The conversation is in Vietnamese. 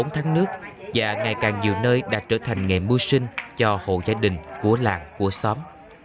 bốn tháng nước và ngày càng nhiều nơi đã trở thành nghề mua sinh cho hộ gia đình của làng của xóm